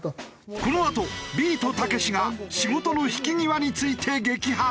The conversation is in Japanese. このあとビートたけしが仕事の引き際について激白！？